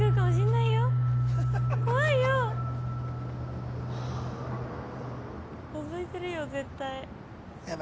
覗いてるよ絶対。